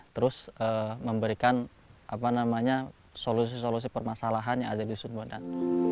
terus memberikan solusi solusi permasalahan yang ada di sumba dan